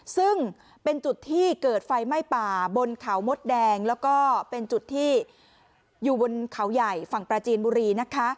ซึ่งเป็นจุดที่เกิดไฟไหม้ป่าบนเขามดแดงแล้วก็เป็นจุดที่อยู่บนเขาใหญ่ฝั่งปราจีนบุรีนะคะ